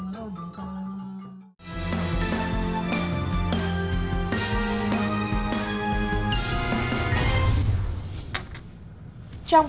phần thi quốc tế